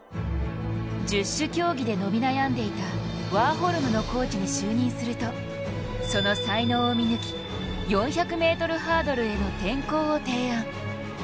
十種競技で伸び悩んでいたワーホルム選手のその才能を見抜き、４００ｍハードルへの転向を提案。